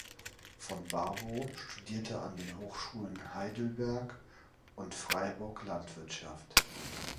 Von Babo studierte an den Hochschulen Heidelberg und Freiburg Landwirtschaft.